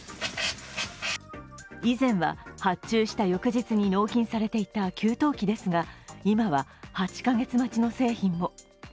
以前は発注した翌日に納品されていた給湯器ですが、今は、８カ月待ちの製品も。